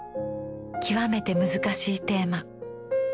極めて難しいテーマ。